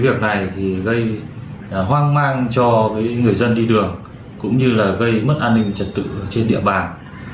về việc này gây hoang mang cho người dân đi đường cũng như gây mất an ninh chất tự trên địa bàn